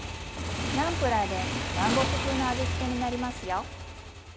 ナムプラーで南国風の味付けになりますよ。